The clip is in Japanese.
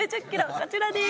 こちらです。